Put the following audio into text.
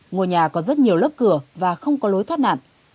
ngôi nhà có rất nhiều lớp cửa và không có lối thoát nạn